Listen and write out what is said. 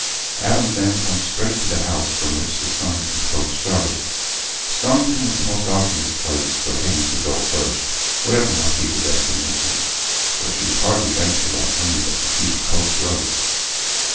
Adam then went straight to the house from which the Stoniton coach started: Stoniton was the most obvious place for Hetty to go to first, whatever might be her destination, for she would hardly venture on any but the chief coach roads.